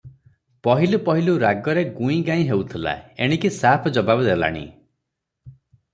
ପହିଲୁ ପହିଲୁ ରାଗରେ ଗୁଇଁ ଗାଇଁ ହେଉଥିଲା, ଏଣିକି ସାଫ ଜବାବ୍ ଦେଲାଣି ।